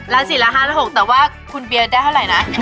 ราศีละ๕๖แต่ว่าคุณเบียร์ได้เท่าไหร่นะ